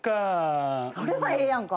それはええやんか。